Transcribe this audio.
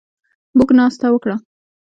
موږ ناسته وکړه